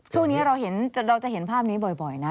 ช่วงนี้เราจะเห็นภาพนี้บ่อยนะ